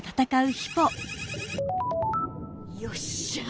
よっしゃあ